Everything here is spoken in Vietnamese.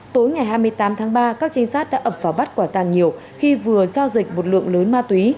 tối ngày hai mươi tám tháng ba các trinh sát đã ập vào bắt quả tàng nhiều khi vừa giao dịch một lượng lớn ma túy